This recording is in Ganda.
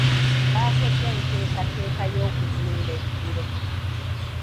Baakoze enteekateeka y'okuzimba eggulo.